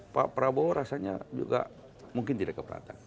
pak prabowo rasanya juga mungkin tidak keberatan